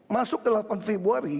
masuk ke delapan februari